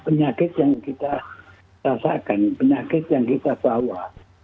penyakit yang kita rasakan penyakit yang kita bawa